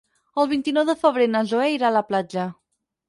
El vint-i-nou de febrer na Zoè irà a la platja.